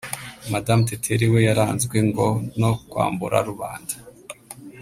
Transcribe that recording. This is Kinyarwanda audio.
Mme Teteri we yaranzwe ngo no kwambura rubanda